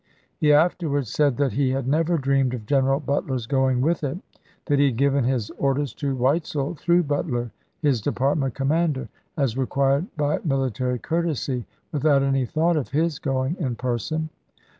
He afterwards said that he had never dreamed of General Butler's going Report with it; that he had given his orders to Weitzel Sco^Sfc® through Butler, his department commander, as ° lsetes?*' required by military courtesy, without any thought p. 52." of his going in person.